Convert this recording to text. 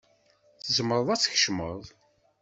Tzemreḍ ad tkecmeḍ.